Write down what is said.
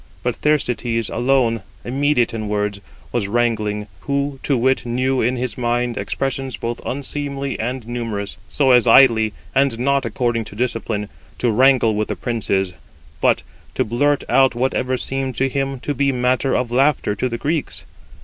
But Thersites alone, immediate in words, was wrangling; who, to wit, knew in his mind expressions both unseemly and numerous, so as idly, and not according to discipline, to wrangle with the princes, but [to blurt out] whatever seemed to him to be matter of laughter to the Greeks.